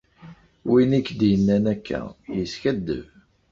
Win i k-d-yennan akka, yeskaddeb.